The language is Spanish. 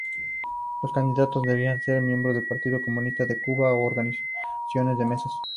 Los candidatos debían ser miembros del Partido Comunista de Cuba u organizaciones de masas.